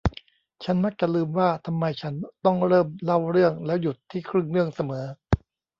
ฉันมักจะลืมว่าทำไมฉันต้องเริ่มเล่าเรื่องแล้วหยุดที่ครึ่งเรื่องเสมอ